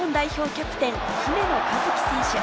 キャプテン・姫野和樹選手。